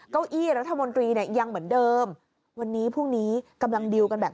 เก้าอี้รัฐมนตรีเนี่ยยังเหมือนเดิมวันนี้พรุ่งนี้กำลังดีลกันแบบ